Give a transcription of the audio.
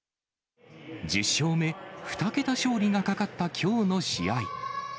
１０勝目、２桁勝利がかかったきょうの試合。